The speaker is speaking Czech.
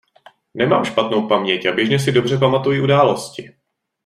Nemám špatnou paměť a běžně si dobře pamatuji události.